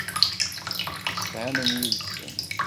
Msefhamen yid-sen.